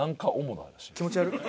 気持ち悪っ！